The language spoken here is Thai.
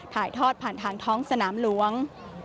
ถ่ายทอดผ่านทางท้องสนามหลวง